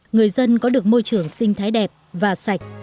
người dân có được môi trường sinh thái đẹp và sạch